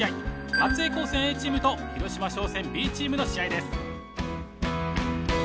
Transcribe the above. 松江高専Ａチームと広島商船Ｂチームの試合です。